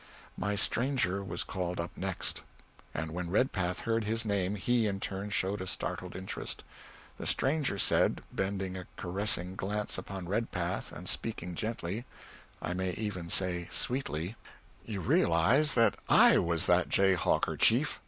My stranger was called up next, and when Redpath heard his name he, in turn, showed a startled interest. The stranger said, bending a caressing glance upon Redpath and speaking gently I may even say sweetly: "You realize that I was that jayhawker chief.